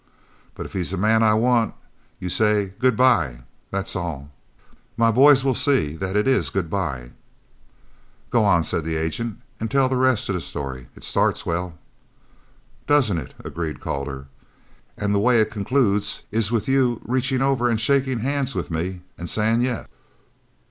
But if he's a man I want, you say 'Good bye.' That's all. My boys will see that it is good bye." "Go on," said the agent, "and tell the rest of the story. It starts well." "Doesn't it?" agreed Calder, "and the way it concludes is with you reaching over and shaking hands with me and saying 'yes'!"